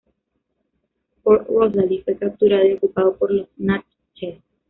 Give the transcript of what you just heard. Fort Rosalie fue capturado y ocupado por los natchez.